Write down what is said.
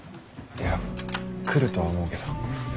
いや来るとは思うけど。